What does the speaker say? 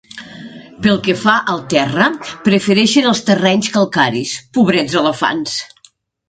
Pel que fa al terra, prefereixen els terrenys calcaris. Pobrets elefants!